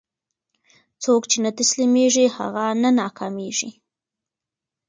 څوک چې نه تسلیمېږي، هغه نه ناکامېږي.